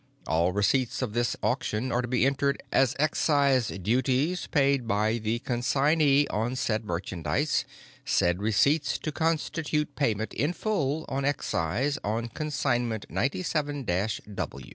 All receipts of this auction are to be entered as excise duties paid by the consignee on said merchandise, said receipts to constitute payment in full on excise on Consignment 97 W.